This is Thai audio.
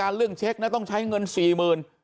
การเลือกเช็คนั้นต้องใช้เงิน๔หมื่น